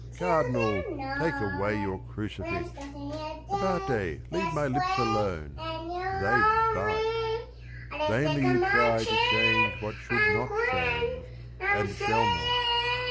"Cardinal, take away your crucifix 1 Abate, leave my lips alone, — they bite ! Vainly you try to change what should not change, And shall not.